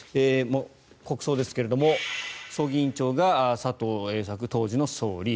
国葬ですが葬儀委員長が佐藤栄作、当時の総理。